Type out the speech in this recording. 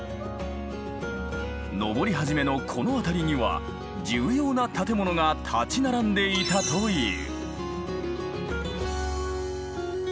登り始めのこの辺りには重要な建物が立ち並んでいたという。